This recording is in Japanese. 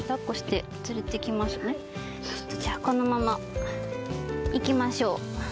ちょっとじゃあこのまま行きましょう。